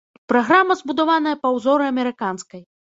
Праграма збудаваная па ўзоры амерыканскай.